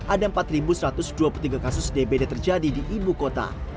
ada empat satu ratus dua puluh tiga kasus dbd terjadi di ibu kota